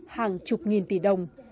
hàng chục nghìn tỷ đồng